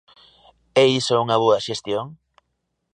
É iso unha boa xestión?